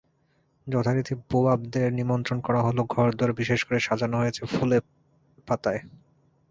যথারীতি বুবাবদের নিমন্ত্রণ করা হল, ঘরদুয়োর বিশেষ করে সাজানো হয়েছে ফুলে পাতায়।